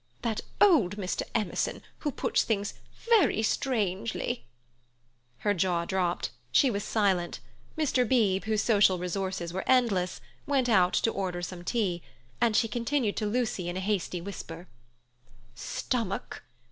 That old Mr. Emerson, who puts things very strangely—" Her jaw dropped. She was silent. Mr. Beebe, whose social resources were endless, went out to order some tea, and she continued to Lucy in a hasty whisper: "Stomach.